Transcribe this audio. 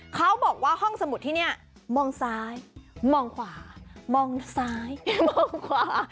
เขาบอกว่าห้องสมุดที่นี่มองซ้ายมองขวามองซ้ายมองขวา